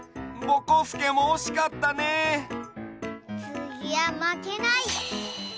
つぎはまけない！